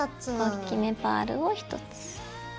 おっきめパールを１つ。